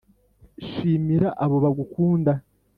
shimira abo bagukunda